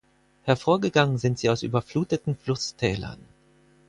Hervorgegangen sind sie aus überfluteten Flusstälern.